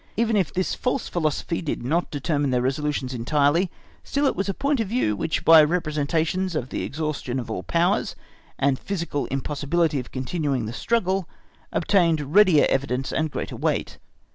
Even if this false philosophy did not determine their resolutions entirely, still it was a point of view by which representations of the exhaustion of all powers, and physical impossibility of continuing the struggle, obtained readier evidence and greater weight.